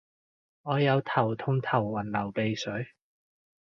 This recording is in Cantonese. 我有頭痛頭暈流鼻水